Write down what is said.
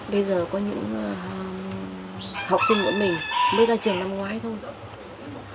bây giờ có những học sinh của mình mới ra trường năm ngoái thôi